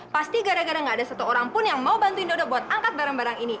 pasti gara gara gak ada satu orang pun yang mau bantuin dodo buat angkat barang barang ini